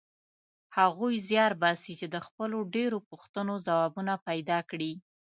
هغوی زیار باسي چې د خپلو ډېرو پوښتنو ځوابونه پیدا کړي.